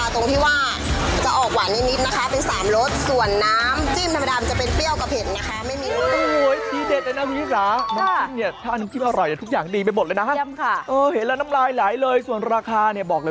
ที่ร้านนะคะจะมีน้ำจิ้มอยู่สองแบบนะคะจะเป็นน้ำราดนะคะแล้วก็เป็นน้ำจิ้มนะคะ